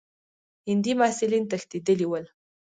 هندي محصلین تښتېدلي ول.